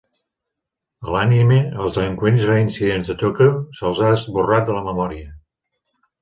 A l'anime, als delinqüents reincidents a Tòquio se"ls ha esborrat la memòria.